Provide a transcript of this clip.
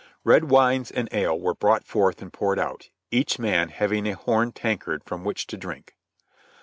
Red wines and ales were produced and poured out, each man having a horn tankard from which to drink.